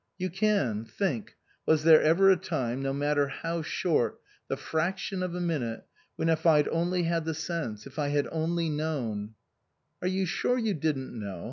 " You can. Think was there ever a time, no matter how short, the fraction of a minute, when if I'd only had the sense, if I had only known "" Are you sure you didn't know